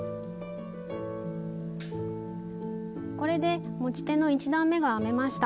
これで持ち手の１段めが編めました。